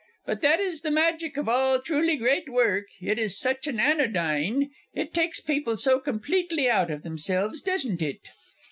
But that is the magic of all truly great work, it is such an anodyne it takes people so completely out of themselves doesn't it?